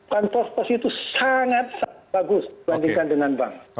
kantor pos itu sangat sangat bagus dibandingkan dengan bank